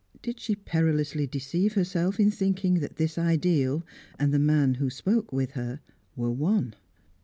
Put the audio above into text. Did she perilously deceive herself in thinking that this ideal and the man who spoke with her, were one?